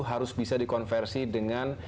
harus bisa dikonversi dengan